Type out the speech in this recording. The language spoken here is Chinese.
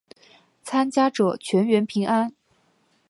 参加者全员平安。